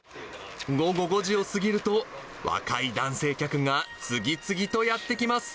午後５時を過ぎると若い男性客が次々とやって来ます。